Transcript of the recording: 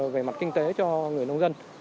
về mặt kinh tế cho người nông dân